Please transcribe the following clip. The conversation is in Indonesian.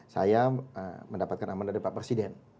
saya mendapatkan aman dari pak presiden